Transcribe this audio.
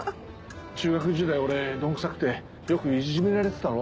中学時代俺どんくさくてよくいじめられてたろ？